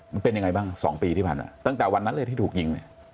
มันเป็นยังไงบ้าง๒ปีที่ผ่านมาตั้งแต่วันนั้นเลยที่ถูกยิงเนี่ย